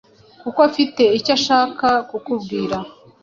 kuko afite icyo ashaka kukubwira.’”